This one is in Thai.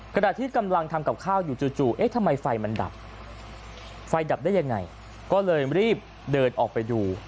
ขณะที่กำลังทำกับข้าวอยู่จู่เอ๊ะทำไมไฟมันดับไฟดับได้ยังไงก็เลยรีบเดินออกไปดู